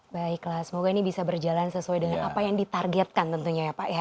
baiklah semoga ini bisa berjalan sesuai dengan apa yang ditargetkan tentunya ya pak ya